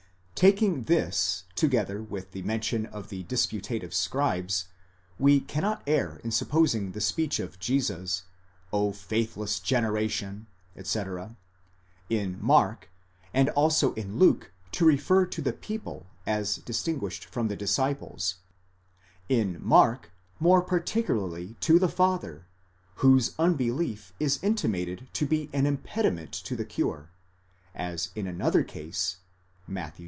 Taking this together with the mention of the disputative scribes, we cannot err in supposing the speech of Jesus, O faithless generation, etc., in Mark and also in Luke to refer to the people, as distinguished from the disciples; in Mark, more particularly to the father, whose unbelief is intimated to be an impediment to the cure, as in another case (Matt.